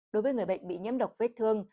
đối với người bệnh bị nhiễm độc vết thương